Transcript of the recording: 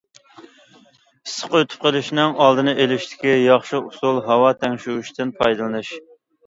ئىسسىق ئۆتۈپ قېلىشنىڭ ئالدىنى ئېلىشتىكى ياخشى ئۇسۇل ھاۋا تەڭشىگۈچتىن پايدىلىنىش.